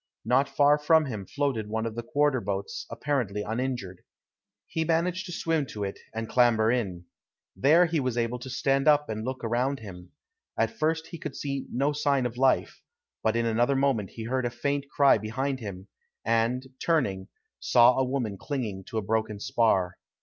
Not far from him floated one of the quarter boats apparently uninjured. He managed to swim to it, and clamber in. There he was able to stand up and look around him. At first he could see no sign of life, but in another moment he heard a faint cry behind him, and, turning, saw a woman clinging to a broken spar.